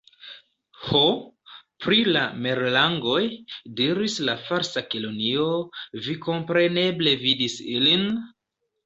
"Ho, pri la merlangoj," diris la Falsa Kelonio, "vi kompreneble vidis ilin?"